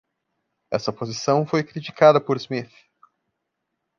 Essa posição foi criticada por Smith.